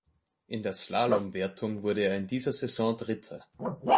In der Slalomwertung wurde er in dieser Saison Dritter.